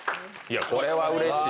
これはうれしい。